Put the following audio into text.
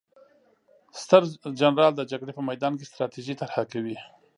ستر جنرال د جګړې په میدان کې ستراتیژي طرحه کوي.